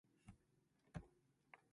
こっそり女に手を出して女色にふけること。